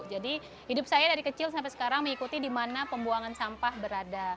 jadi hidup saya dari kecil sampai sekarang mengikuti di mana pembuangan sampah berada